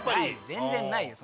全然ないよ